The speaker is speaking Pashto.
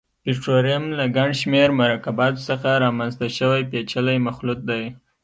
پټرولیم له ګڼشمېر مرکباتو څخه رامنځته شوی پېچلی مخلوط دی.